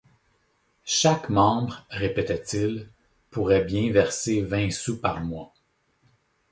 Chaque membre, répétait-il, pourrait bien verser vingt sous par mois.